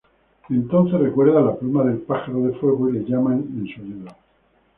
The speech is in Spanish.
Entonces recuerda la pluma del Pájaro de fuego y le llama en su ayuda.